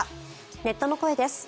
ネットの声です。